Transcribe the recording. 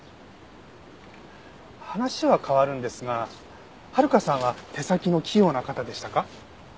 話は変わるんですが遥さんは手先の器用な方でしたか？